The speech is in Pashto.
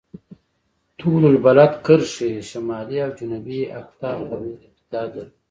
طول البلد کرښې شمالي او جنوبي اقطاب ترمنځ امتداد لري.